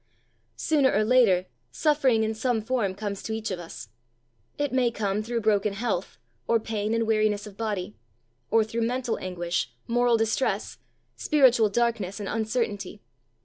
Sooner or later, suffering in some form comes to each of us. It may come through broken health, or pain and weariness of body; or through mental anguish, moral distress, spiritual darkness and uncertainty.